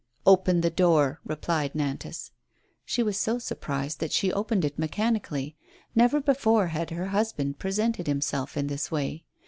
Open the door," replied Nantas. She was so surprised that she opened it mechanically. Never before had her husband presented himself in this way.